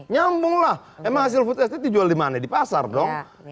nyambung lah emang hasil food estate dijual di mana di pasar dong